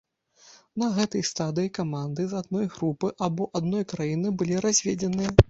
На гэтай стадыі каманды з адной групы або адной краіны былі разведзеныя.